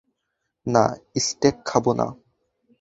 না, স্টেক খাবো না।